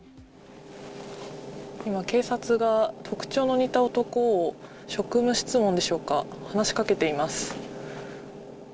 今、警察が特徴の似た男を、職務質問でしょうか、話しかけています。